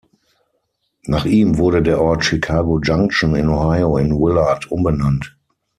Nach ihm wurde der Ort „Chicago Junction“ in Ohio in Willard umbenannt.